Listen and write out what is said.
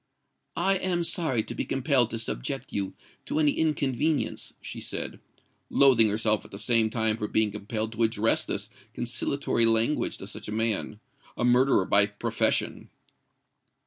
"I am sorry to be compelled to subject you to any inconvenience," she said, loathing herself at the same time for being compelled to address this conciliatory language to such a man—a murderer by profession!